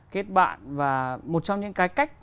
kết bạn và một trong những cái cách